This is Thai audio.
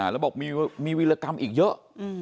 แล้วบอกมีวิรกรรมอีกเยอะ